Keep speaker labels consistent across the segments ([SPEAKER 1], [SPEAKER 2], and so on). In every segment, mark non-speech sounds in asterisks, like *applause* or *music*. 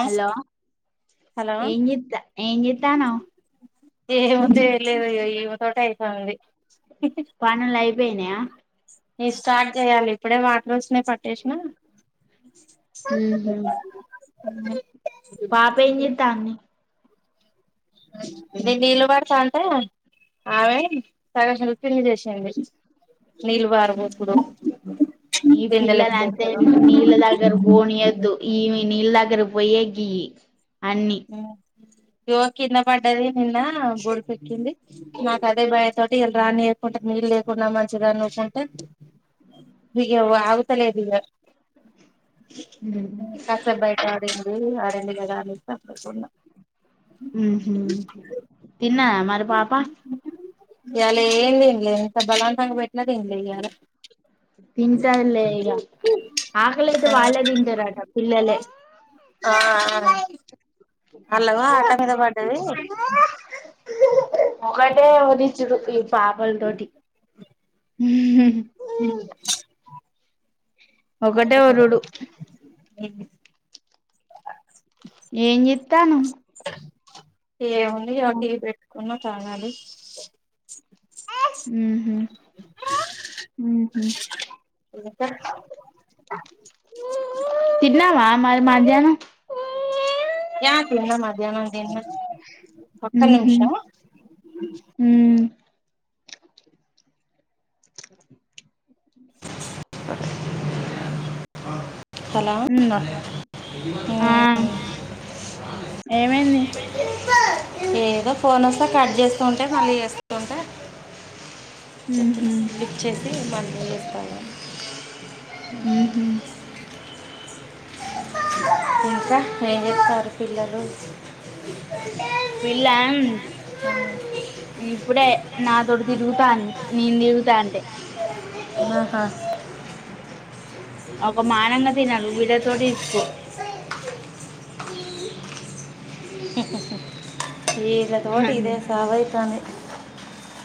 [SPEAKER 1] Hello
[SPEAKER 2] hello
[SPEAKER 1] ఏం జేత్ ఏం జేత్తానవ్
[SPEAKER 2] ఏముంది ఏం లేదు అయ్యో ఇమే తోటే అయితాంది
[SPEAKER 1] పనులయిపోయినాయా
[SPEAKER 2] లే స్టార్ట్ చేయాలి ఇప్పుడే వాటర్ వచ్చినాయ్ పట్టేసిన
[SPEAKER 1] ఊహు
[SPEAKER 2] ఉ
[SPEAKER 1] పాప ఏం చేత్తాంది
[SPEAKER 2] నేను నీళ్ళ పడతాంటే ఆమె సగం హెల్పింగ్ చేసింది నీళ్ళు పారపోసుడు
[SPEAKER 1] ఈ
[SPEAKER 2] బిందెలు
[SPEAKER 1] పిల్లలంతే
[SPEAKER 2] ఎత్తేసుడు
[SPEAKER 1] నీళ్ళ దగ్గర పొయ్యే గి
[SPEAKER 2] ఆ ఇగో కింద పడ్డది నిన్న బోడుప ఎక్కింది నాకదే భయం తోటి రానీయకుంటే నీళ్ళు లేకున్నా మంచిదే అని ఊకుంటే నే అవ్వ ఆగుతలేదు ఇగ
[SPEAKER 1] అ
[SPEAKER 2] అ ఆడండి కద అనుకున్న
[SPEAKER 1] ఉ హ్ తిన్నారా మరి పాపా
[SPEAKER 2] ఇయాలా ఏం తినలే ఎంత బలవంతంగా పెట్టిన తినలే ఇయ్యాల
[SPEAKER 1] తింటారులే ఇగ ఆకలైతే వాళ్ళే తింటారట పిల్లలే
[SPEAKER 2] ఆ ఆ అల్లవా ఆట మీద పడ్డది.
[SPEAKER 1] ఒకటే చుడు ఈ పాపల్ తోటి హుహ్
[SPEAKER 2] హు,
[SPEAKER 1] ఒకటే
[SPEAKER 2] సరే సరే
[SPEAKER 1] ఒరుడు
[SPEAKER 2] హు
[SPEAKER 1] ఏం చెత్తాన్నవ్
[SPEAKER 2] ఏంవుంది అ టి వి పెట్ క్కున్న తాంగది
[SPEAKER 1] ఉహు ఈహు
[SPEAKER 2] మితర్
[SPEAKER 1] తిన్నావా మరి మధ్యానం
[SPEAKER 2] యా తిన్నా మధ్యానం తిన్న ఒక్క
[SPEAKER 1] ఉహు
[SPEAKER 2] నిమిషం
[SPEAKER 1] ఉమ్
[SPEAKER 2] హలో
[SPEAKER 1] ఉన్న, ఆ ఏవైంది.
[SPEAKER 2] ఏదో ఫోన్ వస్తే కట్ చేస్తూ ఉంటే మళ్ళీ చేస్తూంటే చెప్పిన
[SPEAKER 1] ఉహు
[SPEAKER 2] లీఫ్చేసి మ మల్ చేస్త ఉ
[SPEAKER 1] హు హు
[SPEAKER 2] ఇంకా ఏం చెత్తారు పిల్లలు
[SPEAKER 1] పిల్ల, ఇప్పుడే నాతోటి తిరుగుతాంది నేన్ తిరుగుతాంటే
[SPEAKER 2] ఆహా
[SPEAKER 1] ఒక మానంగా తినరు బిడ్ తోటి ఇసుకు
[SPEAKER 2] *unintelligible* వీళ్ళ తోటి ఇదే సావైతాంది.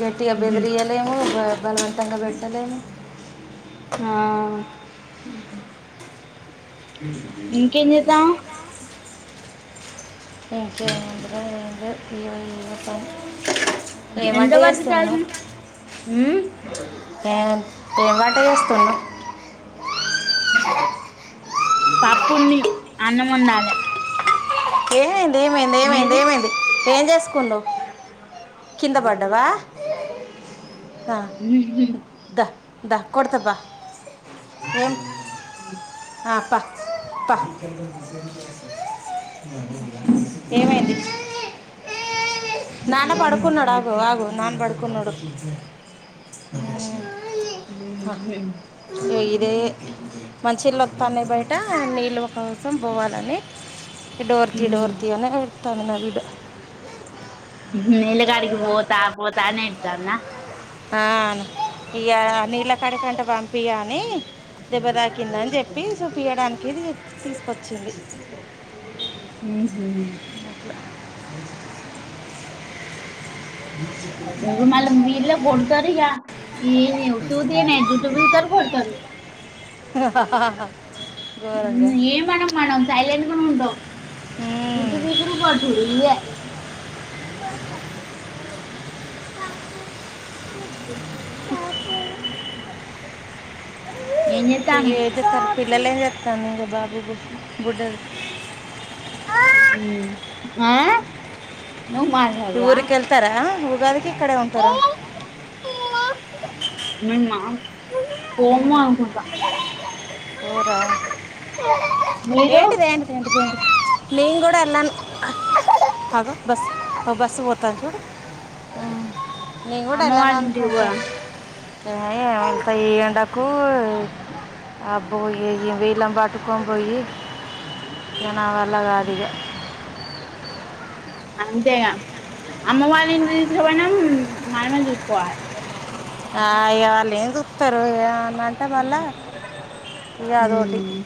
[SPEAKER 2] గట్టి గా బెదిరియలేము. బ బలవంతంగా పెట్టలేేము.
[SPEAKER 1] ఆ
[SPEAKER 2] హు
[SPEAKER 1] ఇంకేం
[SPEAKER 2] హ
[SPEAKER 1] చేద్దాం
[SPEAKER 2] *unintelligible* ఇంకేముందిరా ఏం లేదు టీవీ చూడటం ఏం
[SPEAKER 1] ఎంత
[SPEAKER 2] వంట
[SPEAKER 1] వరకు
[SPEAKER 2] చేస్తున్నావ్
[SPEAKER 1] చదివిన ఉమ్
[SPEAKER 2] ఏం ఏం వంట చేస్తున్నావ్
[SPEAKER 1] పప్పుంది అన్నమొండాలే
[SPEAKER 2] ఏ ఏమైంది, ఏమైంది, ఏమైంది ఏం చేసుకుండావ్ కింద పడ్డవా ఆ
[SPEAKER 1] ఉహు
[SPEAKER 2] దా దా కొడతా పా ఏం అ పా ప ఏమైంది నాన్న పడుకున్నాడు ఆగో ఆగో నాన్న పడుకున్నాడు ఉమ్ ఇగ ఇదే మంచిళ్ళొత్తాన్నాయ్ బయటా నీళ్ళు కోసం పోవాలని డోర్ తీ డోర్ తీ అని పెడతాను నా వీడు
[SPEAKER 1] నీల్లకాడికి పోతా పోతా అనేడ్ దాన్న
[SPEAKER 2] ఆను ఇగ నీళ్ళ కాడికంటే పంపియ్య అని దెబ్బ తాకిందని చెప్పి చూపియడానికి తీసుకొచ్చింది
[SPEAKER 1] ఉ హూ
[SPEAKER 2] *unintelligible*
[SPEAKER 1] మళ్ళ వీల్లే కొడతారిగా ఏ ఉత్తిత్తిగనే జట్టు పీగుతారు కొడతారు
[SPEAKER 2] ా *unintelligible*
[SPEAKER 1] ఉ ఏమనం మనం సైలెంట్ గనే ఉంటాం
[SPEAKER 2] ఉమ్.
[SPEAKER 1] జుట్టు పీకుడు కొట్టుడు ఇవే ఏం
[SPEAKER 2] ఇ
[SPEAKER 1] చేత్తానవ్
[SPEAKER 2] అయితే సార్ పిల్లలు ఏం చేస్త తనీగె బాబీ గుష్
[SPEAKER 1] ఉమ్ ఆ నువ్వు మాట్లాడరా
[SPEAKER 2] ఊరికెళ్తారా ఊ రవే ఇక్కడే ఉంటారా
[SPEAKER 1] మేమా పోము అనుకుంట
[SPEAKER 2] పోరా
[SPEAKER 1] మీరు
[SPEAKER 2] ఏంటిది ఏంటిది ఏంటిదింటి మేమ్ కూడా *inaudible* బస్ అ బస్ పోతాను ఉమ్ నేను కూడా
[SPEAKER 1] అమ్మ
[SPEAKER 2] అట్లనే
[SPEAKER 1] వాళ్ళ ఇంటికి
[SPEAKER 2] అనుకుంటా
[SPEAKER 1] పోరా
[SPEAKER 2] ఉమ్ వెళ్తా ఈ ఎండకు అబోయేది వీళ్ళను పాటుకోం పోయి ఇగ నా వల్ల కాదిగా
[SPEAKER 1] అంతేగా అమ్మ వాళ్ల ఇంటికి తీసుకోపోయినా మనమే చూసుకోవాలే
[SPEAKER 2] ఆ ఇగ వాళ్లేం చుతారు ఇగ న అంటే మల్ళ ఇగ గా అదోటి
[SPEAKER 1] ఉమ్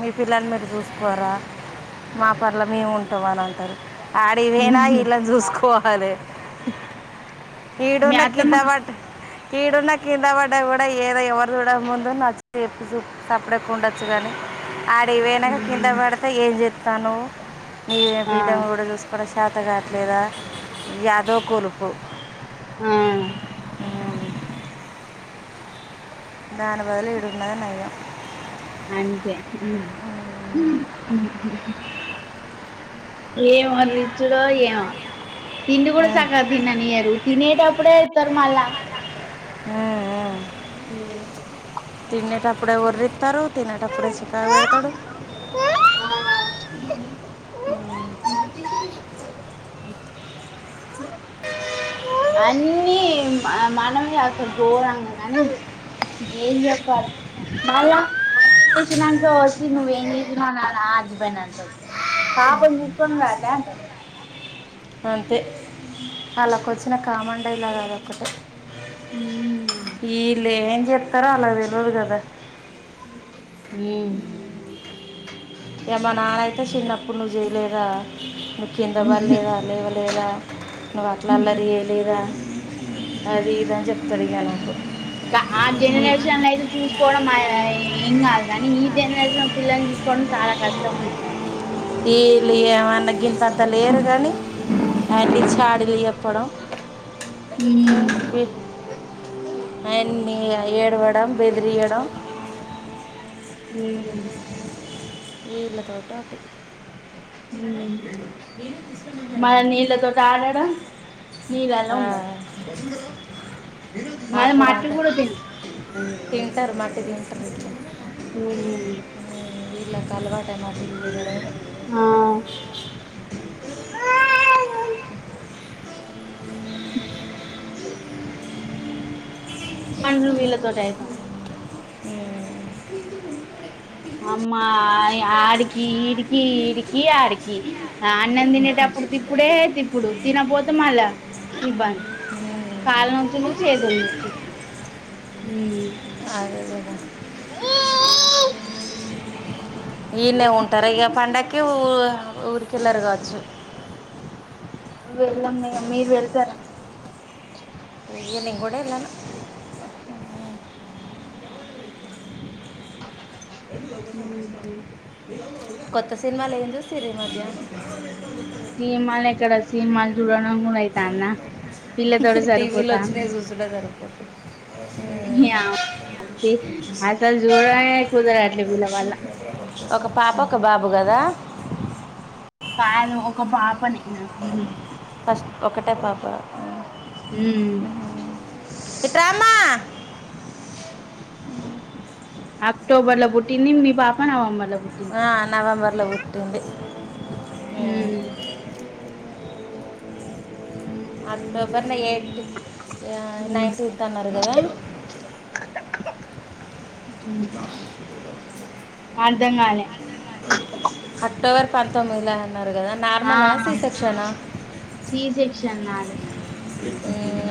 [SPEAKER 2] మీ పిల్లలు మీరు చూసుకోరా మా పన్ల మేము ఉంటాం అని అంటరు ఆడిగి వేన ఇలాను చూసుకోవ అదే
[SPEAKER 1] మీ
[SPEAKER 2] ఇడున్న కిద
[SPEAKER 1] అత్తమ్మ గా
[SPEAKER 2] వాట్ ఇడున్న కింద పడ్డా కూడా ఏదో ఎవరు చూడక ముందు నచ్చ చెప్పి చూ సప్డేక ఉండొచ్చు కానీ ఆడికి వెనంక కింద పడితే ఏం చెతు తను ఈమె
[SPEAKER 1] ఆ
[SPEAKER 2] బిడ్డను కూడా చూసుకోన చాత కావట్లేదా ఇగ అదో కొలుపు
[SPEAKER 1] ఆ
[SPEAKER 2] ఉమ్. దాని బదులు ఇడున్నది నయం
[SPEAKER 1] అంతే ఎం ఒరిచూడో ఏమో తిండి కూడా
[SPEAKER 2] ఉమ్.
[SPEAKER 1] సక్కగా తిన్ననియరు తినేటప్పుడే ఎత్తరు మళ్ళా
[SPEAKER 2] ఆ ఆ
[SPEAKER 1] ఆ
[SPEAKER 2] అప్పుడే ఒర్రితరు తినేటప్పుడే చికాకు పెడతాడు
[SPEAKER 1] అన్ని మనమే అసలు ఘోరంగ కానీ ఏం చెప్పాలే మళ్ళ వంట చేసినంక వచ్చి నువ్వేం చేసినవు నా హస్బెండ్ అంటడు పాప చూస్ కోన్ వాళ్ళే అంటరు
[SPEAKER 2] అంతే ఆళ్ళకు వచ్చిన కామన్ డైలాగ్ ఆది ఒక్కటే ఈ లేం చెప్ తరాలకు తెలువదు కద
[SPEAKER 1] ఉ
[SPEAKER 2] ఇగ మా నాన్నయితే చిన్నప్పుడు నువ్వు చేయలేద నువ్ కింద పల్లేదా లేవలే రేలా నువ్వు అట్లా అల్లరి చేయలేదా అది ఇది అని చెప్తారు ఇగ నాకు
[SPEAKER 1] ఆ
[SPEAKER 2] ఈ-
[SPEAKER 1] జనరేషన్ ల అయితే చూసు కోవడం ఏం కాదు కానీ ఈ జనరేషన్ లో పిల్లల్ని చూసుకోవడం చాలా కష్టం అనుకోవాలి
[SPEAKER 2] ఈళ్లు ఏమన్న గింతంత లేరు గని అన్ని చాడీలు చెప్ చెప్పడం ఆయన్ని ఏడ్వడం బెదిరియ్యడం ఏళ పాట అ
[SPEAKER 1] ఊ మల్ల నీళ్ళతోటి ఆడడం నీళ్లల్ల
[SPEAKER 2] ఆ,
[SPEAKER 1] ఉండడం మరి మట్టి కూడా తిను
[SPEAKER 2] తింటరు మట్టి తింటరు
[SPEAKER 1] ఊ
[SPEAKER 2] వీళ్లకు అలవాటే మట్టి తినడం
[SPEAKER 1] ఆ పండ్లు విల్లతోటి ఐతే
[SPEAKER 2] ఊ
[SPEAKER 1] అమ్మా ఆడికి ఈడికి ఈడికి ఆడికి అన్నం తినేటప్పుడు తిప్పుడే తిప్పుడు తినపోతే మళ్ళా ఇబ్బంది
[SPEAKER 2] ఉమ్.
[SPEAKER 1] కాలం చేతులు నొచ్చుడు ఊ
[SPEAKER 2] అదే కదా ఈన్నే ఉంటార ఇగ పండక్ ఊరికెళ్ళారు కావచ్చు
[SPEAKER 1] వెళ్ళాం ఇగ మీరు వెళ్తారా
[SPEAKER 2] నేను కూడా వెళ్ళను కొత్త సినిమా లే ఏం చూసిరీ ఈ మధ్య
[SPEAKER 1] దురం
[SPEAKER 2] టీవీలో వచ్చిన చూస్తుడే
[SPEAKER 1] య జోడడమే కుదరేట్లు విల్లా వల్ల
[SPEAKER 2] ఒక పాప ఒక బాబు కదా
[SPEAKER 1] కాదు ఒక పాపనే నాకి
[SPEAKER 2] ఫస్ట్ ఒకటే పాప
[SPEAKER 1] ఊ
[SPEAKER 2] ఇ ట్రామా
[SPEAKER 1] అక్టోబర్లో పుట్టింది మీ పాపా నవంబర్ లో పుట్టిం
[SPEAKER 2] ఆ నవంబర్లో పుట్టింది ఊ
[SPEAKER 1] ఉమ్
[SPEAKER 2] అద్ద ఎవరిన ఎయిత్ నైన్త్ ఎత్ అన్నారు కదా
[SPEAKER 1] అర్థంకాలే
[SPEAKER 2] అట్ట వర పాంత మహళ అ
[SPEAKER 1] ఆ సి సెక్షన్ నాది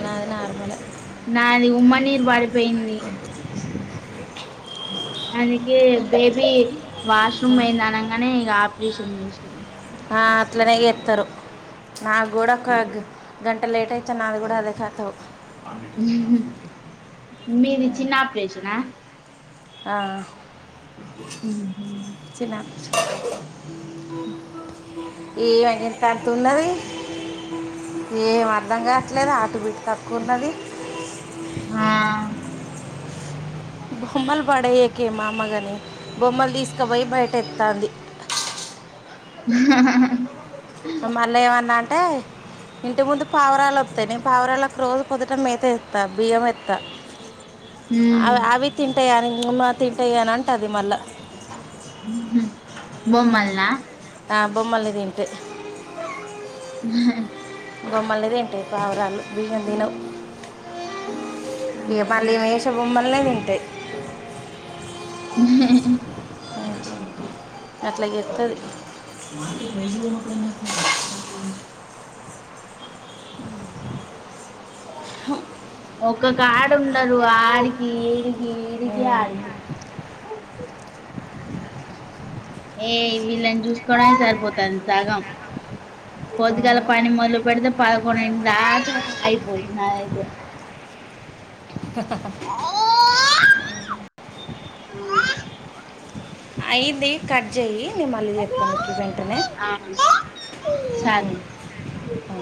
[SPEAKER 2] నాది నార్మల్ ఏ
[SPEAKER 1] నా అది ఉమ్మ నీరు బడి అ పోయింది అందుకే బేబీ వాష్రూమ్ పోయియింది అనంగానే ఇ ఆపరేషన్ చేసిరి.
[SPEAKER 2] అట్లనే గస్తారు నాకు కూడా ఒక గంట లేట్ అయిచ్చాను. నాది కూడా అదే కాతావు అ
[SPEAKER 1] మీది చిన్న ఆపరేషన్ ఆ
[SPEAKER 2] ఆ చిన్న ఆపరేషన్ ఏమంతతున్నది ఏం అర్ధం కావట్లేదు. హార్ట్ బిట్టు తక్కువన్నది.
[SPEAKER 1] ఆ
[SPEAKER 2] బొమ్మలు పడయ్యాకే మామగాని బొమ్మలు తీసుకుపోయి బయట ఎతందీ.
[SPEAKER 1] హ హ హ
[SPEAKER 2] మళ్ళీ ఏమన్నా అంటే ఇంటి ముందు పావురాలు వస్తాయి. నేను పావురాలకి రోజు పద్దుట మ మేతే ఇస్తా బియ్యంస్తా
[SPEAKER 1] ఉమ్
[SPEAKER 2] అవి అవి తింటాయాని మూన్న తింటాయి అని అంటుందిది మళ్ళా
[SPEAKER 1] బొమ్మల్నా
[SPEAKER 2] ఆ బొమ్మల్ని తింటే
[SPEAKER 1] హ
[SPEAKER 2] బొమ్మల్ని తింటాయ్ పావురాళ్ళు బియ్యం తినవ్. ఇక మళ్ళీ మేషే బొమ్మల్నె తింటాయ్.
[SPEAKER 1] హాహాహా
[SPEAKER 2] అట్లా ఎత్తదు. మా వె *unintelligible* హా
[SPEAKER 1] ఒకక్క కా ఉన్నారు ఆడికి, ఈడికి ఈడికి, ఆడికి
[SPEAKER 2] *inaudible*
[SPEAKER 1] ఏయ్ వీళ్ళని చూసుకోవడానికి సరిపోతుంది సగం పొద్దిగాల పని మొదలు పెడితే పదకొండు దాక అయిపోదు నాదైతే
[SPEAKER 2] హహహ
[SPEAKER 1] అ
[SPEAKER 2] అయింది కట్ చెయ్యి నేను మళ్ళీ చెప్తాను మీకు ఈ వెెంటనే
[SPEAKER 1] ఆ
[SPEAKER 2] హు
[SPEAKER 1] సరే
[SPEAKER 2] హ